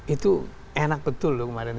itu enak betul loh kemarin